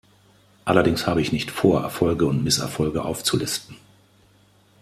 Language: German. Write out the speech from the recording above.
Allerdings habe ich nicht vor, Erfolge und Misserfolge aufzulisten.